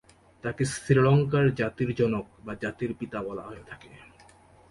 তাকে শ্রীলঙ্কার জাতির জনক বা জাতির পিতা বলা হয়ে থাকে।